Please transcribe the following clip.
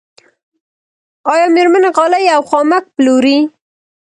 آیا میرمنې غالۍ او خامک پلوري؟